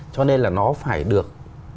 cho nên là nó phải được